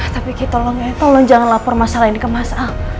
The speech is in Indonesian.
tapi kiki tolong ya tolong jangan lapor mas al ini ke mas al